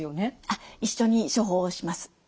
あっ一緒に処方します。